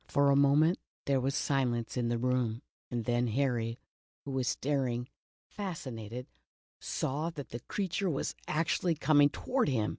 For a moment there was silence in the room and then Harry, who was staring, fascinated, saw that the creature was actually coming toward him